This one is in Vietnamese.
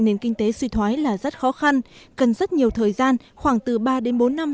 nền kinh tế suy thoái là rất khó khăn cần rất nhiều thời gian khoảng từ ba đến bốn năm